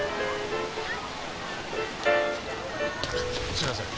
すみません。